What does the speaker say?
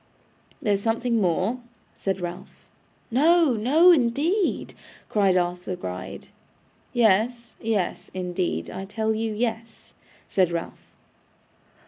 'There's something more,' said Ralph. 'No, no, indeed,' cried Arthur Gride. 'Yes, yes, indeed. I tell you yes,' said Ralph.